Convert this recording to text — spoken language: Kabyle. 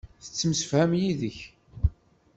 Tettemsefham yid-k.